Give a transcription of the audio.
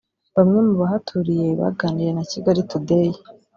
Bamwe mu bahaturiye baganiriye na Kigali Today